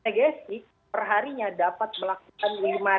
pt gsi perharinya dapat melakukan